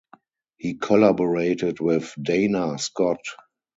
He collaborated with Dana Scott.